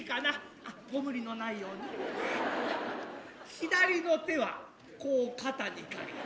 左の手はこう肩に掛けて。